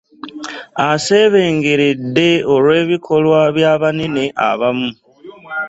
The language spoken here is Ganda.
Aseebengeredde olw'ebikolwa by'abanene abamu.